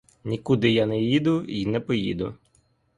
Нікуди я не їду й не поїду.